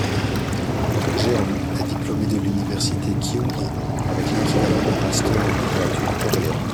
Jeon est diplômé de l'université Kyung Hee avec l'équivalent d'un master en littérature coréenne.